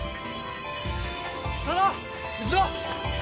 佐野行くぞ！